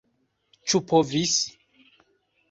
Ĉu povis?